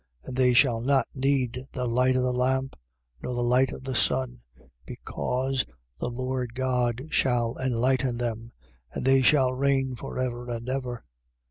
And they shall not need the light of the lamp, nor the light of the sun, because the Lord God shall enlighten then. And they shall reign for ever and ever.